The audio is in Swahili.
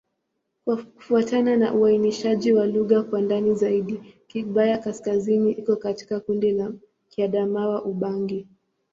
Kufuatana na uainishaji wa lugha kwa ndani zaidi, Kigbaya-Kaskazini iko katika kundi la Kiadamawa-Ubangi.